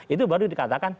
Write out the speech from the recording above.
itu baru dikatakan